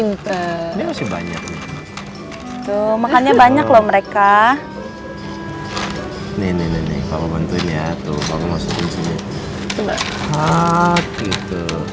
nih opinion banyak tuh makanya banyak loh mereka